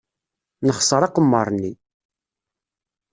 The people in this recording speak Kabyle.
Nexṣer aqemmer-nni.